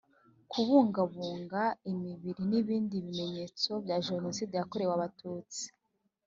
kubungabunga imibiri n ibindi bimenyetso bya jenoside yakorewe abatutsi